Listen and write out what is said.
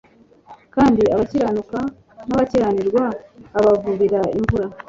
kandi abakiranuka n'abakiranirwa abavubira imvura.»